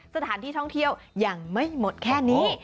สถานที่ท่องเที่ยวยังไม่หมดแค่นี้